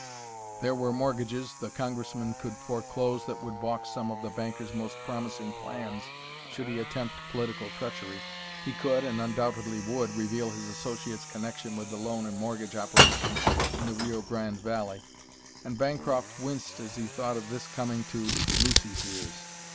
There were mortgages the Congressman could foreclose that would balk some of the banker's most promising plans should he attempt political treachery. He could, and undoubtedly would, reveal his associate's connection with the loan and mortgage operations in the Rio Grande valley; and Bancroft winced as he thought of this coming to Lucy's ears.